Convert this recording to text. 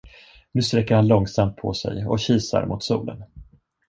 Nu sträcker han långsamt på sig och kisar mot solen.